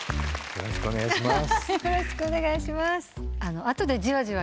よろしくお願いします。